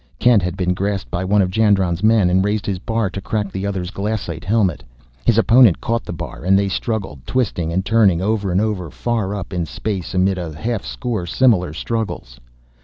Kent had been grasped by one of Jandron's men and raised his bar to crack the other's glassite helmet. His opponent caught the bar, and they struggled, twisting and turning over and over far up in space amid a half score similar struggles.